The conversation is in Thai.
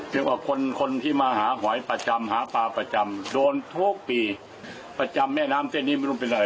เรียกว่าคนคนที่มาหาหอยประจำหาปลาประจำโดนทุกปีประจำแม่น้ำเส้นนี้ไม่รู้เป็นอะไร